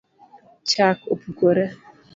Chak opukore.